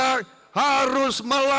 kita harus mencari